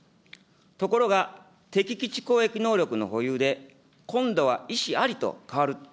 ところが、敵基地攻撃能力の保有で、今度は意思ありと変わると。